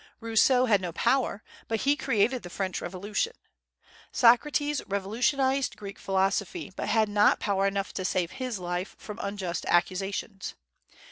Rousseau had no power, but he created the French Revolution. Socrates revolutionized Greek philosophy, but had not power enough to save his life from unjust accusations.